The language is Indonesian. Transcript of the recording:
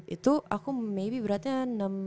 itu aku maybe beratnya enam enam tujuh